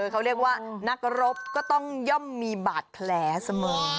เขาเรียกว่านักรบก็ต้องย่อมมีบาดแผลเสมอ